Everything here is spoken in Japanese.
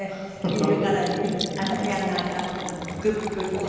見るからに足やなんかプクプクして。